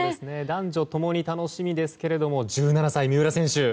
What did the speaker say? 男女ともに楽しみですけども１７歳、三浦選手。